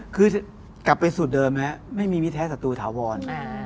คือกลับไปสุดเดิมแล้วไม่มีมิเทศศัตรูถาวร